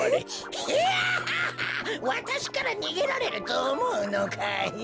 ヒャハハわたしからにげられるとおもうのかい？」。